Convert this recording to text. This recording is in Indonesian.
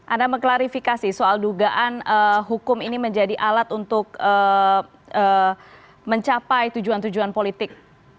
anda mengklarifikasi soal dugaan hukum ini menjadi alat untuk mencapai tujuan tujuan politik